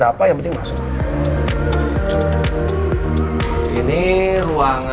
supaya gue gak ilfeel